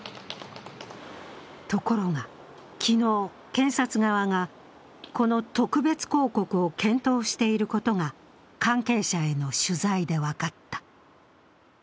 ところが昨日、検察側がこの特別抗告を検討していることが関係者への取材で分かった。